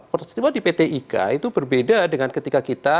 peristiwa di pt ika itu berbeda dengan ketika kita